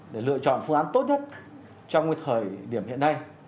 để lựa chọn phương án tốt nhất trong thời điểm hiện nay